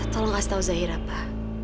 tolong kasih tau zaira pa